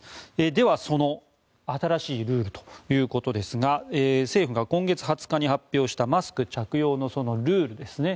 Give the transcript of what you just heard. では、その新しいルールということですが政府が今月２０日に発表したマスク着用のルールですね。